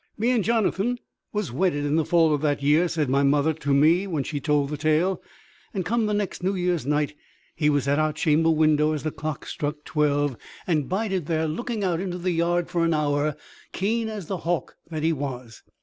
"Me and Jonathan was wedded in the fall of that year," said my mother to me when she told the tale. "And, come the next New Year's Night, he was at our chamber window as the clock struck twelve, and bided there looking out into the yard for an hour, keen as the hawk that he was.